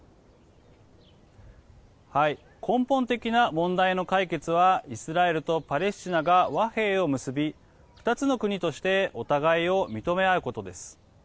根本的な問題の解決はイスラエルとパレスチナが和平を結び、２つの国としてお互いを認め合うことです。